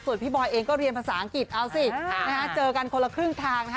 ส่วนพี่บอยเองก็เรียนภาษาอังกฤษเอาสิเจอกันคนละครึ่งทางนะฮะ